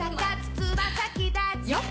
つま先だちよっ！